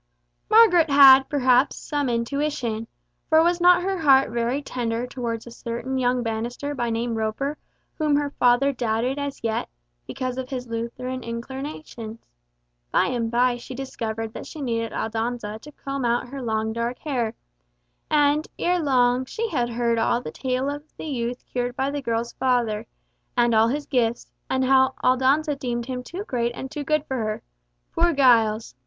Margaret had, perhaps, some intuition; for was not her heart very tender towards a certain young barrister by name Roper whom her father doubted as yet, because of his Lutheran inclinations. By and by she discovered that she needed Aldonza to comb out her long dark hair, and ere long, she had heard all the tale of the youth cured by the girl's father, and all his gifts, and how Aldonza deemed him too great and too good for her (poor Giles!)